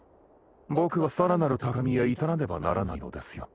僕はさらなる高みへ至らねばならないのですよ